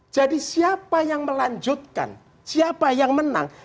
jadi siapa yang melanjutkan siapa yang menang